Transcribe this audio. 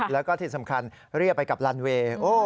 แล้วก็ที่สำคัญเรียบไปกับลันเวย์